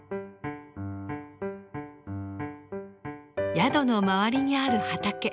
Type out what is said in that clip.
宿の周りにある畑。